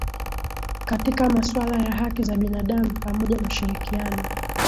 katika masuala ya haki za binadamu pamoja na ushirikiano